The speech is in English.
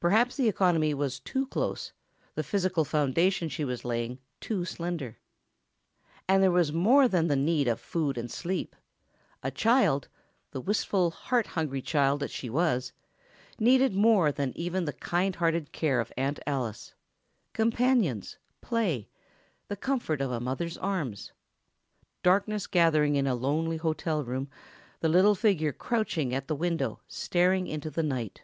Perhaps the economy was too close, the physical foundation she was laying too slender. And there was more than the need of food and sleep. A child—the wistful, heart hungry child that she was—needed more than even the kind hearted care of Aunt Alice: ... Companions, play ... the comfort of a mother's arms.... Darkness gathering in a lonely hotel room—a little figure crouching at the window, staring into the night.